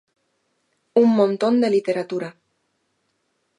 Un montón de literatura.